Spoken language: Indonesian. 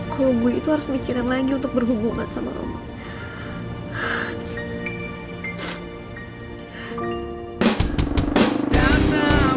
kalo gue itu harus mikirin lagi untuk berhubungan sama roman